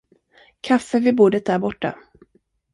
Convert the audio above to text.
Kaffe vid bordet där borta.